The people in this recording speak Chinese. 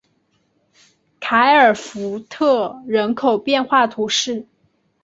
凯尔福特人口变化图示